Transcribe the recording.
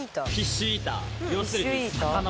要するに。